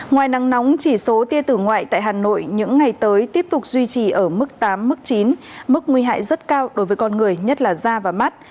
ngoài nắng nóng chỉ số tia tử ngoại tại hà nội những ngày tới tiếp tục duy trì ở mức tám mức chín mức nguy hại rất cao đối với con người nhất là da và mắt